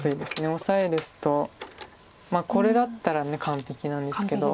オサエですとこれだったら完璧なんですけど。